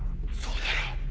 そうだろう？